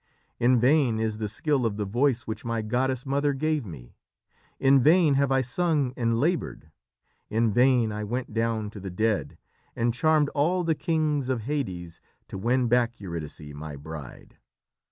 "In vain is the skill of the voice which my goddess mother gave me; in vain have I sung and laboured; in vain I went down to the dead, and charmed all the kings of Hades, to win back Eurydice, my bride.